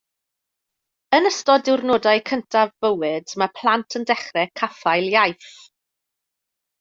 Yn ystod diwrnodau cyntaf bywyd mae plant yn dechrau caffael iaith